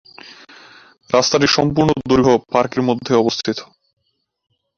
রাস্তাটির সম্পূর্ণ দৈর্ঘ্য পার্কের মধ্যে অবস্থিত।